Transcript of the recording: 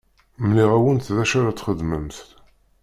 Mliɣ-awent d acu ara txedmemt.